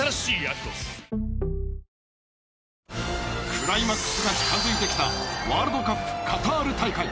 クライマックスが近づいてきたワールドカップカタール大会。